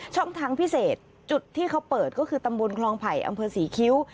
ทางพิเศษจุดที่เขาเปิดก็คือตำบลคลองไผ่อำเภอศรีคิ้ว